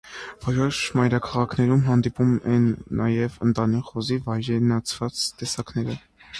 Որոշ մայրցամաքներում հանդիպում են նաև ընտանի խոզի վայրենացված տեսակներ։